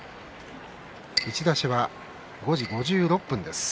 打ち出しは５時５６分です。